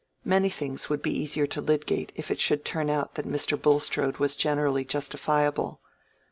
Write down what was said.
Many things would be easier to Lydgate if it should turn out that Mr. Bulstrode was generally justifiable.